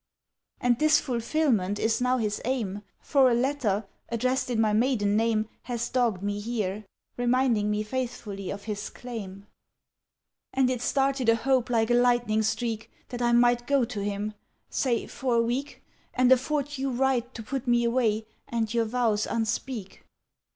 "And this fulfilment is now his aim, For a letter, addressed in my maiden name, Has dogged me here, Reminding me faithfully of his claim. "And it started a hope like a lightning streak That I might go to him—say for a week— And afford you right To put me away, and your vows unspeak.